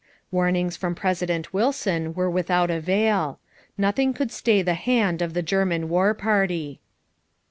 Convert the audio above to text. Warnings from President Wilson were without avail. Nothing could stay the hand of the German war party.